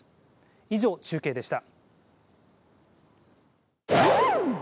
以上、中継でした。